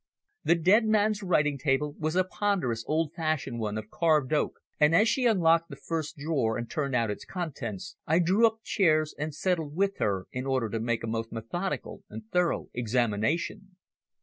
The dead man's writing table was a ponderous old fashioned one of carved oak, and as she unlocked the first drawer and turned out its contents, I drew up chairs and settled with her in order to make a methodical and thorough examination.